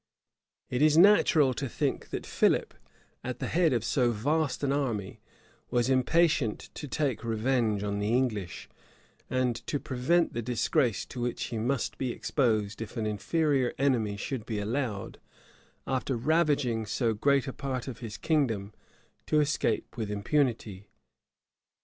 It is natural to think that Philip, at the head of so vast an army, was impatient to take revenge on the English, and to prevent the disgrace to which he must be exposed if an inferior enemy should be allowed, after ravaging so great a part of his kingdom, to escape with impunity.